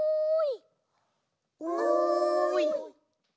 おい！